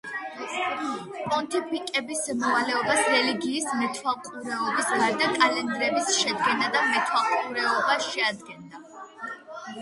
პონტიფიკების მოვალეობას რელიგიის მეთვალყურეობის გარდა კალენდრების შედგენა და მეთვალყურეობა შეადგენდა.